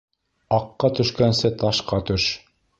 Аҡҡа төшкәнсе, ташҡа төш.